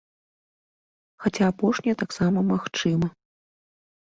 Хаця апошняе таксама магчыма.